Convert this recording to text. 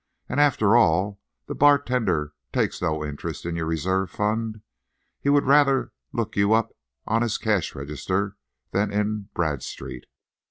And, after all, the bartender takes no interest in your reserve fund. He would rather look you up on his cash register than in Bradstreet.